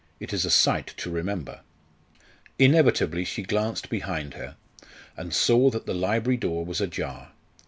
It is a sight to remember." Inevitably she glanced behind her, and saw that the library door was ajar.